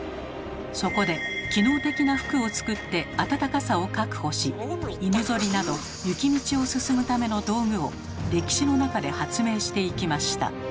そこで機能的な服を作って暖かさを確保し犬ぞりなど雪道を進むための道具を歴史の中で発明していきました。